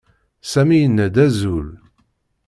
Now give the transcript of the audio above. Sami yenna-d azul.